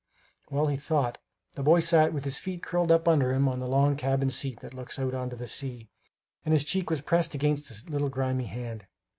While he thought, the boy sat with his feet curled up under him on the long cabin seat that looks out on the sea; and his cheek was pressed against a little grimy hand.